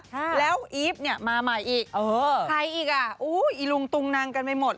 ใช่แล้วอีฟเนี่ยมาใหม่อีกเออใครอีกอ่ะอุ้ยอีลุงตุงนังกันไปหมด